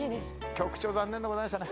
局長、残念でございましたね。